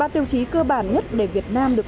ba tiêu chí cơ bản nhất để việt nam được